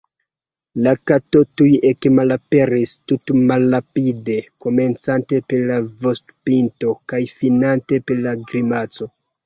La kato tuj ekmalaperis tutmalrapide, komencante per la vostpinto kaj finante per la grimaco.